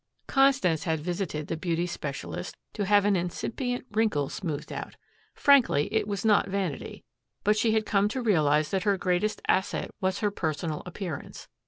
Constance had visited the beauty specialist to have an incipient wrinkle smoothed out. Frankly, it was not vanity. But she had come to realize that her greatest asset was her personal appearance.